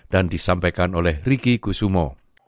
dan disampaikan oleh riki kusumo